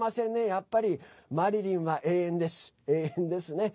やっぱり、マリリンは永遠ですね。